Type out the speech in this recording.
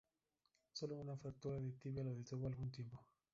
Sólo una fractura de tibia lo detuvo algún tiempo.